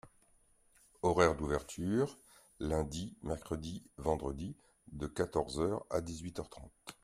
Horaires d’ouverture : lundi, mercredi, vendredi de quatorze heures à dix-huit heures trente.